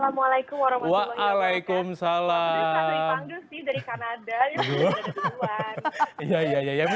good morning assalamualaikum warahmatullahi wabarakatuh